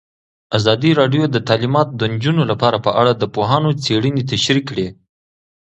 ازادي راډیو د تعلیمات د نجونو لپاره په اړه د پوهانو څېړنې تشریح کړې.